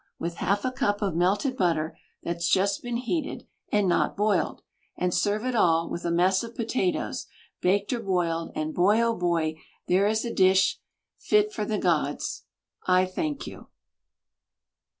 With half a cup. Of melted butter. That's just been heated. And not boiled. And serve it all. With a mess of potatoes. Baked or boiled. And boy, oh, boy! There is a dish. Fit for the gods! I thank you.